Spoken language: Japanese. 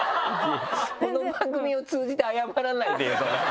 この番組を通じて謝らないでよ。